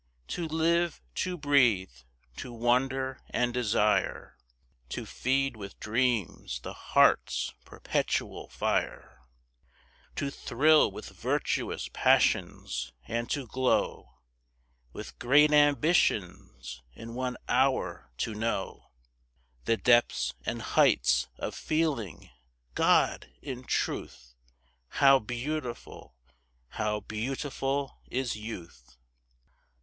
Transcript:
To live, to breathe, to wonder and desire, To feed with dreams the heart's perpetual fire, To thrill with virtuous passions, and to glow With great ambitions—in one hour to know The depths and heights of feeling—God! in truth, How beautiful, how beautiful is youth!